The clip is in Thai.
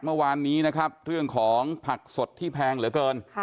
เมื่อวานนี้นะครับเรื่องของผักสดที่แพงเหลือเกิน